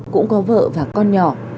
cũng có vợ và con nhỏ